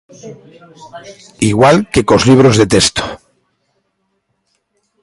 Igual que cos libros de texto.